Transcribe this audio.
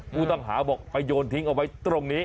ผู้ต้องหาบอกไปโยนทิ้งเอาไว้ตรงนี้